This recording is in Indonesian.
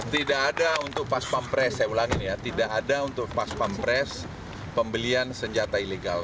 tidak ada untuk pas pampres saya ulangi ya tidak ada untuk pas pampres pembelian senjata ilegal